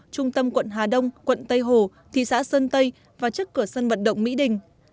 trung tâm quận hà đông quận tây hồ thị xã sơn tây và trước cửa sân vận động mỹ đình